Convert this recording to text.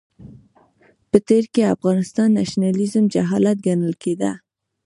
په تېر کې افغان نېشنلېزم جهالت ګڼل کېده.